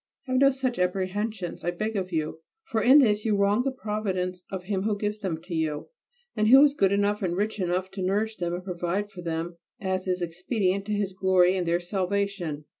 Have no such apprehensions, I beg of you, for in this you wrong the Providence of Him who gives them to you, and who is good enough and rich enough to nourish them and provide for them as is expedient to His glory and their salvation.